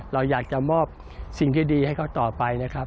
เราอยากจะมอบสิ่งที่ดีให้เขาต่อไปนะครับ